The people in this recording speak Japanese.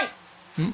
うん？